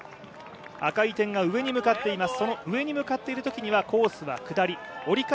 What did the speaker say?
赤い点が上に向かっています。